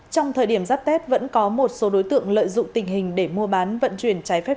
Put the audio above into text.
trong thời điểm giáp tết vẫn có một số đối tượng lợi dụng tình hình để mua bán vận chuyển trái phép